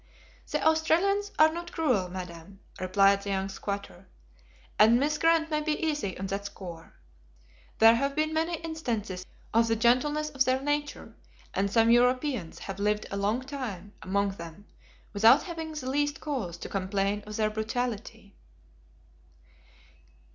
"The Australians are not cruel, Madam," replied the young squatter, "and Miss Grant may be easy on that score. There have been many instances of the gentleness of their nature, and some Europeans have lived a long time among them without having the least cause to complain of their brutality."